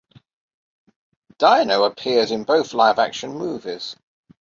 Dino appears in both live-action movies.